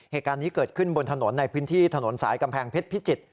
เหตุการณ์นี้เกิดขึ้นบนถนนในพื้นที่ถนนสายกำแพงเพชรพิจิตร